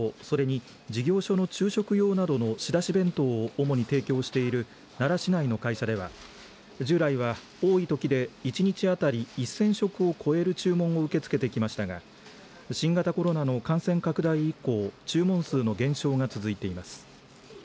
それに事業所の昼食用などの仕出し弁当を主に提供している奈良市内の会社では従来は、多いときで１日当たり１０００食を超える注文を受け付けてきましたが新型コロナの感染拡大以降注文数の減少が続いています。